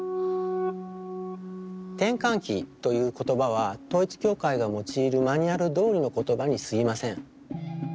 「転換期」という言葉は統一教会が用いるマニュアルどおりの言葉にすぎません。